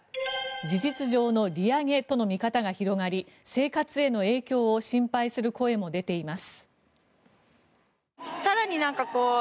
事実上の利上げとの見方が広がり生活への影響を心配する声も出ています。